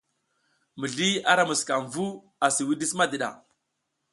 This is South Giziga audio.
Mizliy ara musukam vu asi widis madiɗa.